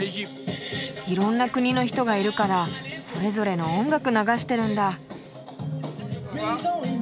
いろんな国の人がいるからそれぞれの音楽流してるんだ。